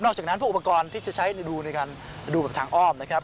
จากนั้นพวกอุปกรณ์ที่จะใช้ดูในการดูแบบทางอ้อมนะครับ